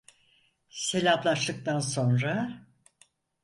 Selâmlaştıktan sonra...